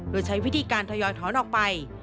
โดยใช้วิธีการทยอยถอนออกไป